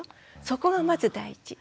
そこがまず第一。